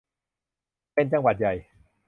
เป็นจังหวัดใหญ่